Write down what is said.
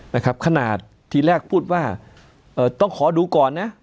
นะครับขนาดทีแรกพูดว่าเอ่อต้องขอดูก่อนนะ